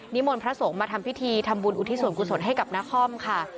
มนต์พระสงฆ์มาทำพิธีทำบุญอุทิศส่วนกุศลให้กับนครค่ะ